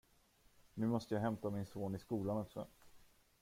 Nu måste jag hämta min son i skolan också.